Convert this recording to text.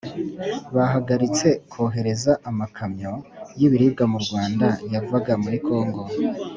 bahagaritse kohereza amakamyo y’ibiribwa mu Rwanda yavaga muri Kongo.